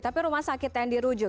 tapi rumah sakit yang dirujuk